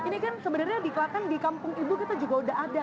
ini kan sebenarnya di klaten di kampung ibu kita juga udah ada